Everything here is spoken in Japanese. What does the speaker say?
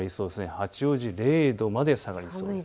八王子０度まで下がります。